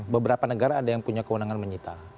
beberapa negara ada yang punya kewenangan menyita